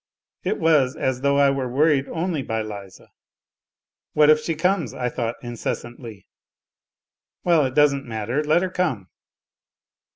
It was as though I were worried only by Liza. " What if she comes," I thought incessantly, " well, it doesn't matter, let her come